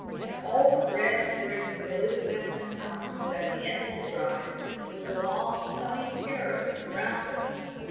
An old red brick Elizabethan house was at the end of the drive, with a long sunny terrace round it.